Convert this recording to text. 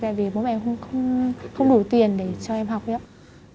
tại vì bố mẹ em không đủ tiền để cho em học ấy ạ